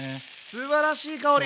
すばらしい香り！